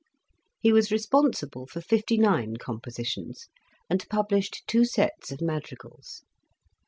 He was responsible for fifty nine compositions, and published two sets of madrigals.